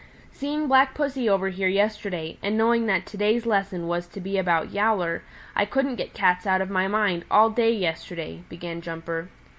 "Seeing Black Pussy over here yesterday, and knowing that to day's lesson was to be about Yowler, I couldn't get cats out of my mind all day yesterday," began Jumper.